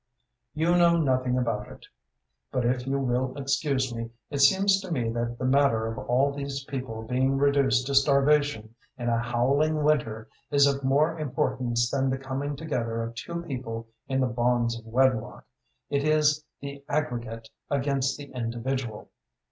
"You know nothing about it. But if you will excuse me, it seems to me that the matter of all these people being reduced to starvation in a howling winter is of more importance than the coming together of two people in the bonds of wedlock. It is the aggregate against the individual."